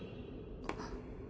あっ。